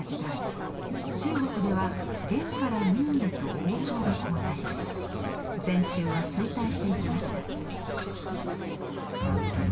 中国では元から明へと王朝が交代し禅宗は衰退していきました。